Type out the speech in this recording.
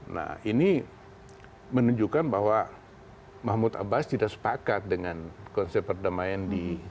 nah ini menunjukkan bahwa mahmud abbas tidak sepakat dengan konsep perdamaian di